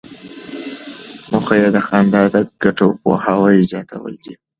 موخه یې د خندا د ګټو پوهاوی زیاتول دي.